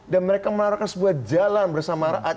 mereka menaruhkan sebuah jalan bersama rakyat